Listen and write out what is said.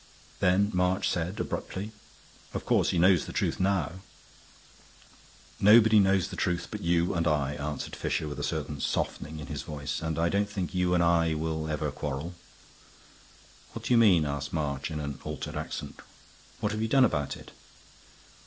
Then March said, abruptly, "Of course he knows the truth now." "Nobody knows the truth but you and I," answered Fisher, with a certain softening in his voice. "And I don't think you and I will ever quarrel." "What do you mean?" asked March, in an altered accent. "What have you done about it?"